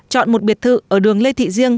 chọn một biệt thự ở đường lê thị diêng